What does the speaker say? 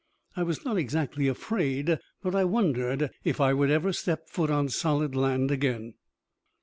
I was not exactly afraid, but I wondered if I would ever step foot on solid land again.